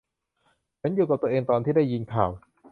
ฉันอยู่กับตัวเองตอนที่ได้ยินข่าว